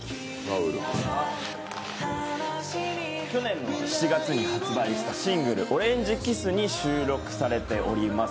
去年の７月に発売したシングル「オレンジｋｉｓｓ」に収録されています